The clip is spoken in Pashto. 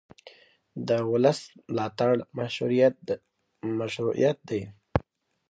د ولس ملاتړ مشروعیت دی